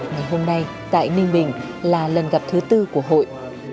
ngày hôm nay tại ninh bình là lần gặp thứ tư của hội